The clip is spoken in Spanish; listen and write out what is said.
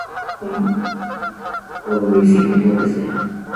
Pa ¡Por mis hijos lo que sea!